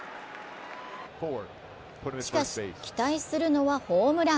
しかし、期待するのはホームラン。